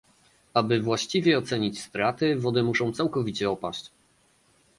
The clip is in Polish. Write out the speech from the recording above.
Aby właściwie ocenić straty, wody muszą całkowicie opaść